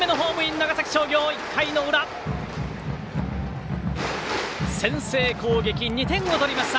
長崎商業、１回の裏先制攻撃、２点を取りました。